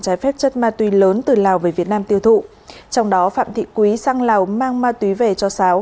trái phép chất ma túy lớn từ lào về việt nam tiêu thụ trong đó phạm thị quý sang lào mang ma túy về cho sáo